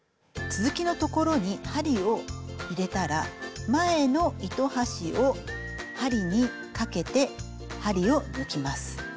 続きの所に針を入れたら前の糸端を針にかけて針を抜きます。